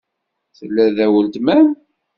Tella da weltma-m?